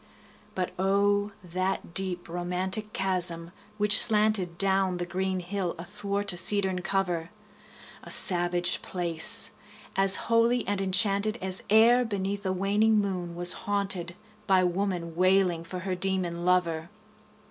But O, that deep romantic chasm which slanted Down the green hill athwart a cedarn cover! A savage place! as holy and enchanted As e'er beneath a waning moon was haunted 15 By woman wailing for her demon lover!